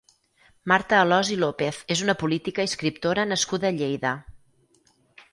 Marta Alòs i López és una política i escriptora nascuda a Lleida.